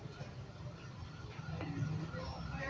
สวัสดีทุกคน